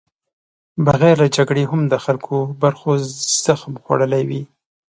بغیر له جګړې هم د خلکو برخو زخم خوړلی وي.